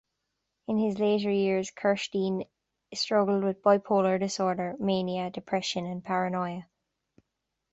In his later years, Kirstein struggled with bipolar disorder - mania, depression, and paranoia.